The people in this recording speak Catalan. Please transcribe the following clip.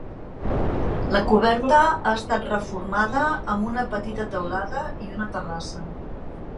La coberta ha estat reformada amb una petita teulada i una terrassa.